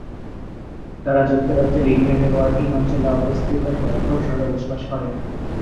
তারা যুক্তরাজ্যের ইংল্যান্ডের ইয়র্কশায়ার অঞ্চলে অবস্থিত ব্র্যাডফোর্ড শহরে বসবাস করেন।